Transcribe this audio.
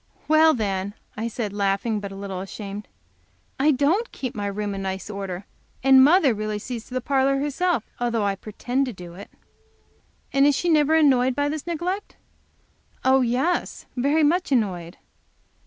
"Well, then," I said, laughing, but a little ashamed, "I don't keep my room in nice order, and mother really sees to the parlor herself, though I pretend to do it." "And is she never annoyed by this neglect?" "Oh, yes, very much annoyed."